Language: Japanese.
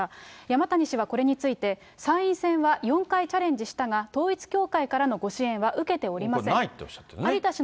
山谷氏はこれについて、参院選は４回チャレンジしたが、統一教会からのご支援は受けておないとおっしゃってるんです